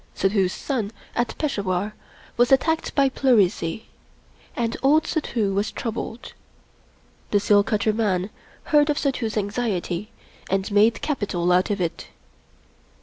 Suddhoo's son at Peshawar was attacked by pleurisy, and old Suddhoo was troubled. The seal cutter man heard of Suddhoo's anxiety and made capital out of it.